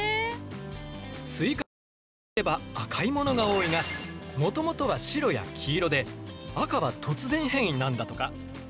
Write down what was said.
スイカの果肉といえば赤いものが多いがもともとは白や黄色で赤は突然変異なんだとか。